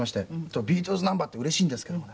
ビートルズナンバーってうれしいんですけどもね